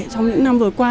trong những năm vừa qua